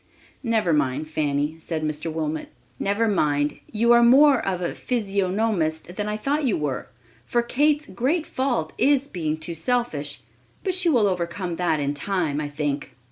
"Never mind, Fanny," said Mr. Wilmot; "never mind; you are more of a physiognomist than I thought you were, for Kate's great fault is being too selfish; but she will overcome that in time, I think."